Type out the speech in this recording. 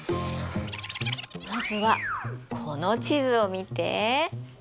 まずはこの地図を見て。